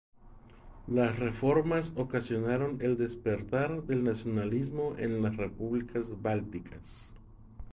Las reformas ocasionaron el despertar del nacionalismo en las repúblicas bálticas.